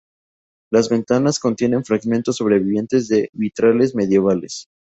Las ventanas contienen fragmentos sobrevivientes de vitrales medievales.